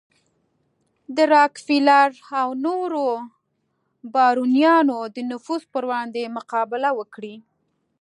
د راکفیلر او نورو بارونیانو د نفوذ پر وړاندې مقابله وکړي.